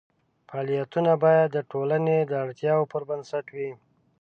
فعالیتونه باید د ټولنې د اړتیاوو پر بنسټ وي.